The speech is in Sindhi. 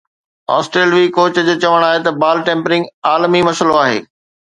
آسٽريلوي ڪوچ جو چوڻ آهي ته بال ٽيمپرنگ عالمي مسئلو آهي